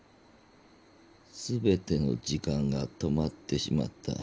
全ての時間が止まってしまった。